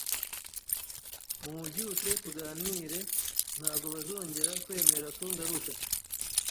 mumubyutse tuganire ntago bazongera kwemera ko ngaruka,